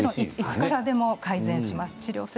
いつからでも改善します。